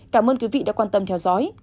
cảm ơn quý vị đã quan tâm theo dõi